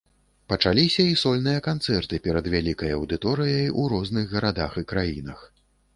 Пачаліся і сольныя канцэрты перад вялікай аўдыторыяй у розных гарадах і краінах.